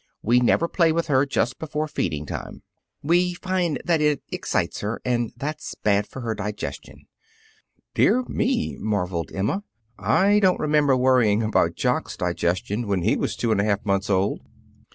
"We never play with her just before feeding time. We find that it excites her, and that's bad for her digestion." "Dear me!" marveled Emma. "I don't remember worrying about Jock's digestion when he was two and a half months old!"